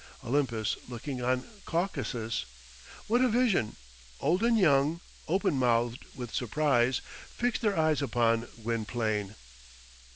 Olympus looking on Caucasus! What a vision! Old and young, open mouthed with surprise, fixed their eyes upon Gwynplaine.